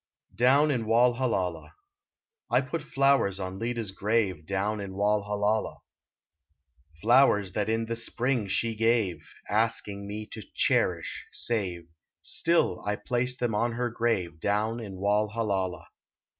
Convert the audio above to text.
DOWN IN WALHALLALAH I put flowers on L,eeda s grave Down in Walhallalah ; Flowers that in the spring she gave, Asking me to cherish, save, Still I placed them on her grave Down in Walhallalah.